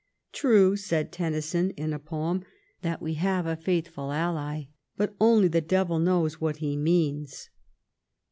" True," said Tennyson in a poem, " that we have a faithful ally, but only the devil knows what he means."